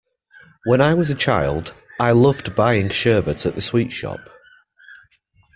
When I was a child, I loved buying sherbet at the sweet shop